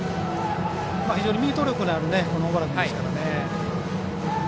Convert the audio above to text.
非常にミート力のある小原君です。